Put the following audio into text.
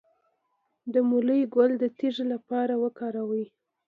د مولی ګل د تیږې لپاره وکاروئ